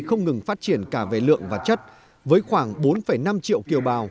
không ngừng phát triển cả về lượng và chất với khoảng bốn năm triệu kiều bào